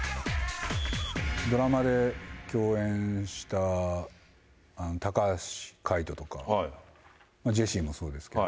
ドラマで共演した高橋海人とか、ジェシーもそうですけど。